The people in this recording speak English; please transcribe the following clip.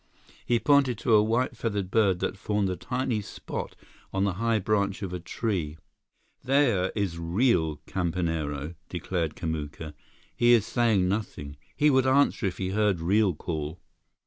He pointed to a white feathered bird that formed a tiny spot on the high branch of a tree. "There is real campanero," declared Kamuka. "He is saying nothing. He would answer if he heard real call."